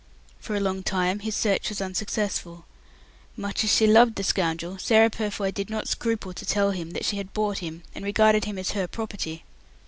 For a long time his search was unsuccessful. Much as she loved the scoundrel, Sarah Purfoy did not scruple to tell him that she had bought him and regarded him as her property.